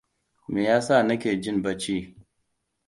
Me ya sa nake jin bacci?